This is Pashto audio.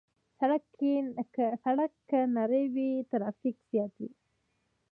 سړک که نری وي، ترافیک زیات وي.